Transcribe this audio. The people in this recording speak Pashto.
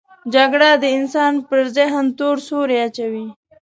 جګړه د انسان پر ذهن تور سیوری اچوي